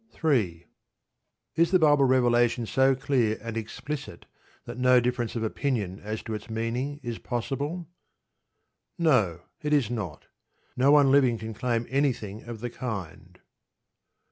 3. Is the Bible revelation so clear and explicit that no difference of opinion as to its meaning is possible? No. It is not. No one living can claim anything of the kind.